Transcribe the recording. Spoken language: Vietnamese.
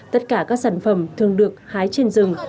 tất cả các sản phẩm thường được hái trên rừng